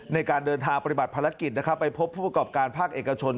ในการเดินทางปฏิบัติภารกิจนะครับไปพบผู้ประกอบการภาคเอกชน